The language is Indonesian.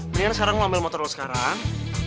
mendingan sekarang lo ambil motor lo sekarang